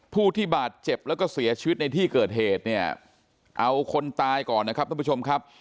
ผู้ที่บาดเจ็บแล้วก็เสียชีวิตในที่เกิดเหตุเนี่ยเอาคนตายก่อนนะครับท่านผู้ชมครับ